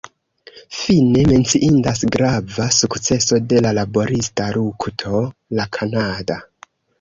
Fine, menciindas grava sukceso de la laborista lukto: La Kanada.